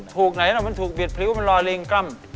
ถูกไหนนะมันถูกบิดพริ้วมันรอยเรียงกล้ำ